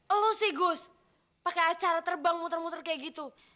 lu sih gus pakai acara terbang muter muter kayak gitu